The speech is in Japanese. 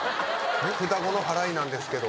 「ふたごの払いなんですけど」